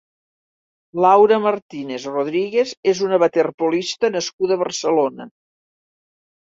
Laura Martínez Rodríguez és una waterpolista nascuda a Barcelona.